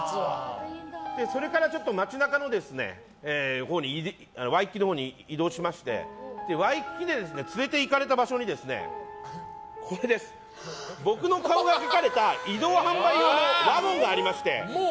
それからワイキキのほうに移動しましてワイキキで連れていかれた場所に僕の顔が描かれた移動販売用のワゴンがありまして。